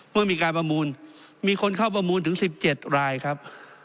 เมื่อมีการประมูลมีคนเข้าประมูลถึง๑๗รายครับ